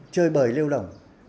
chơi bời lêu đồng